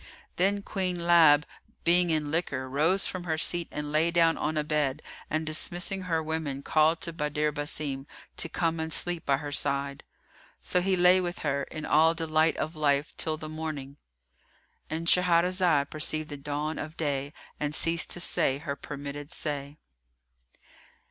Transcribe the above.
Then Queen Lab, being in liquor, rose from her seat and lay down on a bed and dismissing her women called to Badr Basim to come and sleep by her side. So he lay with her, in all delight of life till the morning.——And Shahrazad perceived the dawn of day and ceased to say her permitted say.